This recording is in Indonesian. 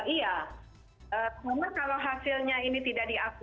iya karena kalau hasilnya ini tidak diakui